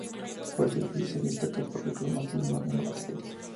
La Fuente Egipcia destaca por el cromatismo de sus materiales.